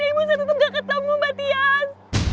ibu saya tetap gak ketemu mbak tias